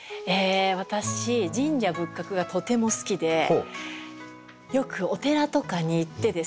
私神社仏閣がとても好きでよくお寺とかに行ってですね